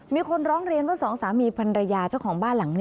มีคนร้องเรียนว่าสองสามีพันรยาเจ้าของบ้านหลังนี้